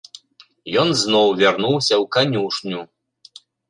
Ён зноў вярнуўся ў канюшню.